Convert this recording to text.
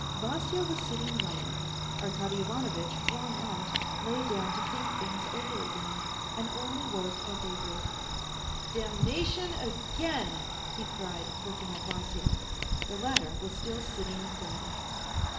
Vasya was sitting writing. Arkady Ivanovitch, worn out, lay down to think things over again, and only woke at daybreak. "Damnation! Again!" he cried, looking at Vasya; the latter was still sitting writing.